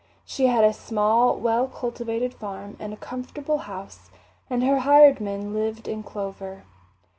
She had a small, well cultivated farm and a comfortable house, and her hired men lived in clover.